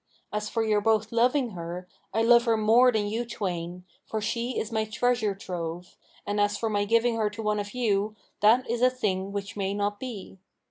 As for your both loving her, I love her more than you twain, for she is my treasure trove, and as for my giving her to one of you, that is a thing which may not be.